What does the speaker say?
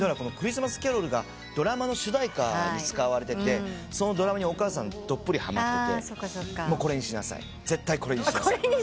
『クリスマスキャロル』がドラマの主題歌に使われててそのドラマにお母さんどっぷりはまってて「これにしなさい。絶対これにしなさい」